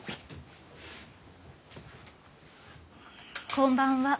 こんばんは。